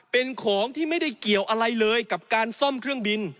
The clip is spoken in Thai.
เป็นของที่ไม่ได้เกี่ยวอะไรเลยกับการซ่อมเครื่องบิน